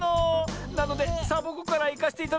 なのでサボ子からいかせていただくわ。